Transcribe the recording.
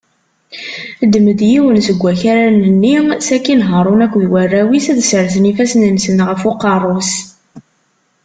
Ddem-d yiwen seg wakraren-nni, sakin Haṛun akked warraw-is ad sersen ifassen-nsen ɣef uqerru-s.